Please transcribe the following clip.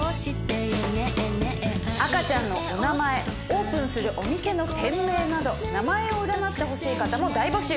オープンするお店の店名など名前を占ってほしい方も大募集！